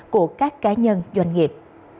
của các cá nhân doanh nghiệp